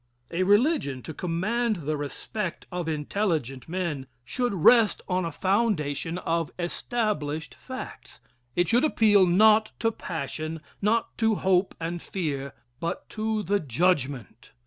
A religion, to command the respect of intelligent men, should rest on a foundation of established facts. It should appeal, not to passion, not to hope and fear, but to the judgment.